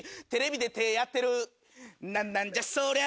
なんなんじゃそりゃ。